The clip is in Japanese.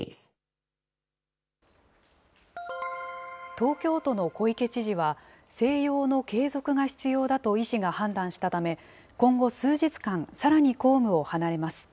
東京都の小池知事は、静養の継続が必要だと医師が判断したため、今後、数日間、さらに公務を離れます。